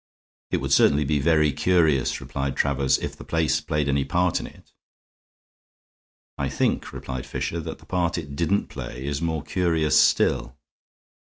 "It would certainly be very curious," replied Travers, "if the place played any part in it." "I think," replied Fisher, "that the part it didn't play is more curious still."